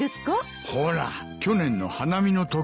ほら去年の花見のときに。